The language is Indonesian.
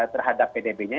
terhadap pdb nya